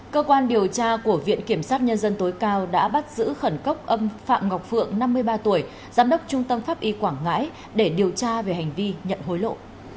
cơ quan điều tra của viện kiểm sát nhân dân tối cao đã bắt giữ khẩn cấp âm phạm ngọc phượng năm mươi ba tuổi giám đốc trung tâm pháp y quảng ngãi để điều tra về hành vi nhận hối lộ